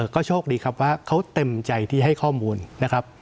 ก็โชคดีครับว่าเขาเต็มใจที่ให้ข้อมูลนะครับ